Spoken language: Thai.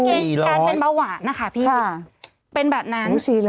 การเป็นเบาหวานนะคะพี่เป็นแบบนั้น